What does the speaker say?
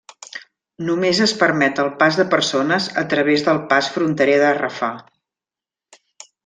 Només es permet el pas de persones a través del pas fronterer de Rafah.